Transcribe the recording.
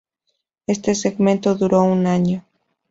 Este segmento duró un año.